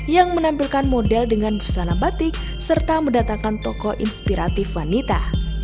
yang menampilkan model dengan busana batik serta mendatangkan toko inspiratif wanita